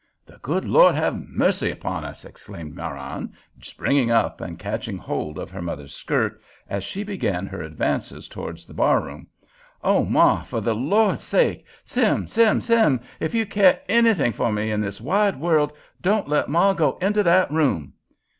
"The good Lord have mercy upon us!" exclaimed Marann, springing up and catching hold of her mother's skirts, as she began her advance towards the bar room. "Oh, ma! for the Lord's sake!—Sim, Sim, Sim, if you care _any_thing for me in this wide world, don't let ma go into that room!"